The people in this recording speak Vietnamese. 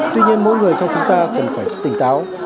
tuy nhiên mỗi người trong chúng ta cần phải tỉnh táo